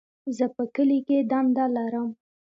زه په کلي کي دنده لرم.